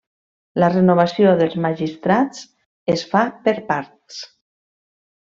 La renovació dels magistrats es fa per parts.